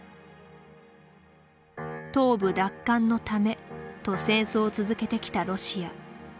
「東部奪還のため」と戦争を続けてきたロシア。